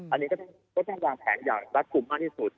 อันนี้ต้องการวางแผนอย่างรัดกรุงภาพที่สุด